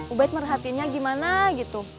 ubed merhatiinnya gimana gitu